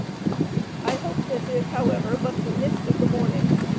I hope this is, however, but the mist of the morning.